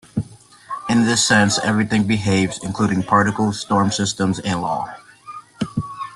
In this sense, everything behaves, including particles, storm systems, and law.